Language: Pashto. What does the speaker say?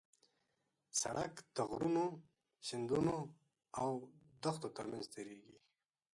سړک د غرونو، سیندونو او دښتو ترمنځ تېرېږي.